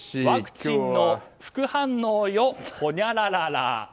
「ワクチンの副反応よほにゃららら」。